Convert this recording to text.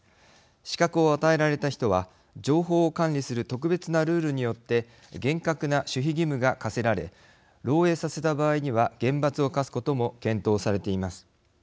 資格を与えられた人は情報を管理する特別なルールによって厳格な守秘義務が課せられ漏えいさせた場合には厳罰を科すことも検討されています。